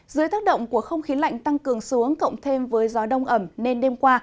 dưới tác động của không khí lạnh tăng cường xuống cộng thêm với gió đông ẩm nên đêm qua